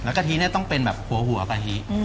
แล้วกะทิต้องเป็นแบบขัวหัวกะทิ